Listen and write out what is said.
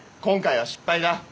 今回は失敗だ。